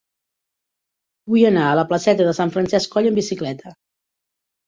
Vull anar a la placeta de Sant Francesc Coll amb bicicleta.